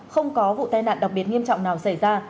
không có vụ tai nạn đặc biệt nghiêm trọng nào xảy ra